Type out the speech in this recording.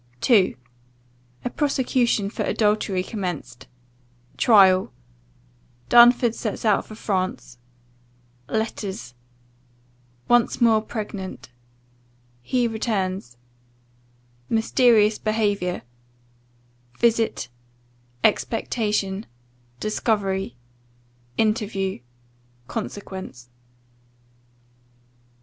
II. "A prosecution for adultery commenced Trial Darnford sets out for France Letters Once more pregnant He returns Mysterious behaviour Visit Expectation Discovery Interview Consequence."